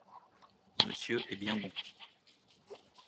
Monsieur est bien bon…